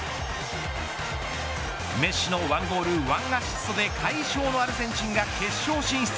メッシの１ゴール１アシストで快勝のアルゼンチンが決勝進出。